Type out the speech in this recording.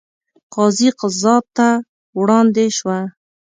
قاضي قضات ته وړاندې شوه.